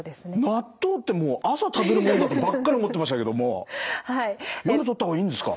納豆ってもう朝食べるもんだとばっかり思ってましたけども夜とった方がいいんですか。